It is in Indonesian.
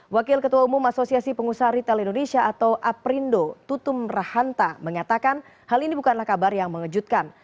wakil ketua umum asosiasi pengusaha retail indonesia atau aprindo tutum rahanta mengatakan hal ini bukanlah kabar yang mengejutkan